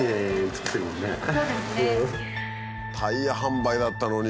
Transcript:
タイヤ販売だったのに。